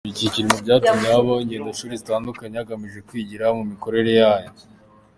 Iki kiri mu byatumye habaho ingendoshuri zitandukanye hagamijwe kwigira ku mikorere yayo.